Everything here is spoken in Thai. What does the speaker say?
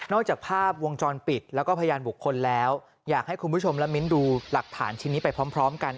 จากภาพวงจรปิดแล้วก็พยานบุคคลแล้วอยากให้คุณผู้ชมและมิ้นดูหลักฐานชิ้นนี้ไปพร้อมกัน